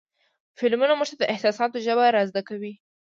فلمونه موږ ته د احساساتو ژبه را زده کوي.